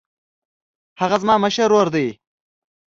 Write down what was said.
هغه زما مشر ورور دی